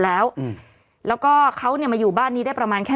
แล้วอืมแล้วก็เขาเนี่ยมาอยู่บ้านนี้ได้ประมาณแค่